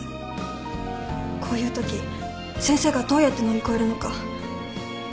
こういうとき先生がどうやって乗り越えるのか